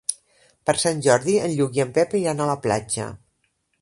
Per Sant Jordi en Lluc i en Pep iran a la platja.